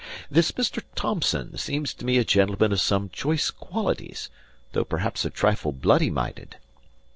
This Mr. Thomson seems to me a gentleman of some choice qualities, though perhaps a trifle bloody minded.